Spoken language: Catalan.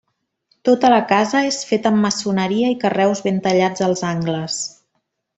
Tota la casa és feta amb maçoneria i carreus ben tallats als angles.